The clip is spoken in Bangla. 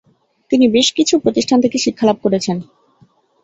তিনি বেশ কিছু প্রতিষ্ঠান থেকে শিক্ষা লাভ করেছেন।